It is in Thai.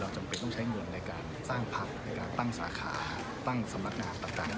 ใช้เงินในการสร้างพักในการตั้งสาขาตั้งสำนักงานต่าง